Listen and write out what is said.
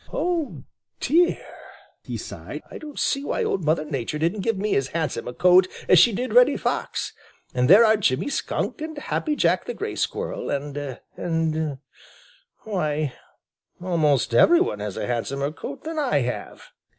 "Oh, dear!" he sighed. "I don't see why Old Mother Nature didn't give me as handsome a coat as she did Reddy Fox. And there are Jimmy Skunk and Happy Jack the Gray Squirrel and and why, almost every one has a handsomer coat than I have!"